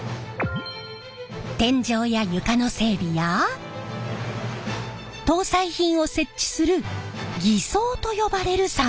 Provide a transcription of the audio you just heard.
天井や床の整備や搭載品を設置する艤装と呼ばれる作業！